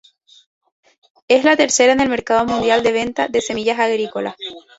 Es la tercera en el mercado mundial de venta de semillas agrícolas.